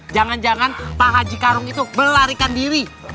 jangan jangan pak haji karung itu melarikan diri